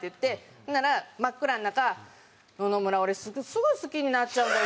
ほんなら真っ暗の中「野々村俺すぐ好きになっちゃうんだよ